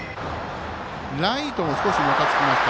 ライトが少しもたつきました。